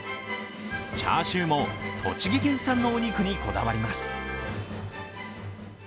チャーシューも栃木県産のお肉にこだわります。